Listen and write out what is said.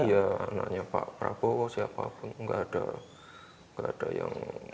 iya anaknya pak prabowo siapapun nggak ada yang